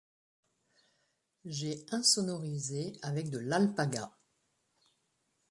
j'ai insonorisé avec de l'alpaga.